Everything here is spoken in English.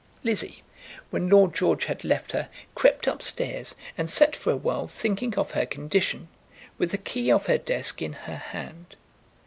Lizzie, when Lord George had left her, crept up stairs, and sat for awhile thinking of her condition, with the key of her desk in her hand.